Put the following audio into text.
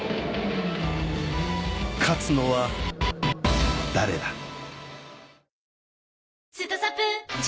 勝つのは誰だ？